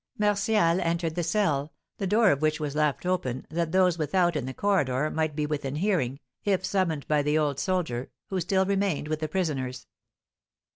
Martial entered the cell, the door of which was left open that those without in the corridor might be within hearing, if summoned by the old soldier, who still remained with the prisoners.